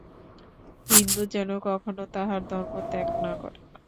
হিন্দু যেন কখনও তাহার ধর্ম ত্যাগ না করে।